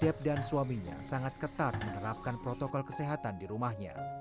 deb dan suaminya sangat ketat menerapkan protokol kesehatan di rumahnya